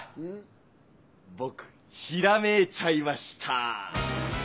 ぼくひらめいちゃいました！